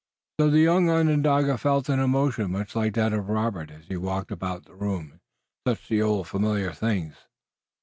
So the young Onondaga felt an emotion much like that of Robert as he walked about the room and touched the old familiar things.